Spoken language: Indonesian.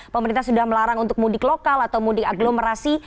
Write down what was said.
pemerintah sudah melarang untuk mudik lokal atau mudik agglomerasi